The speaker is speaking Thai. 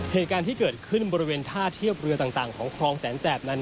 เหตุการณ์ที่เกิดขึ้นบริเวณท่าเทียบเรือต่างของคลองแสนแสบนั้น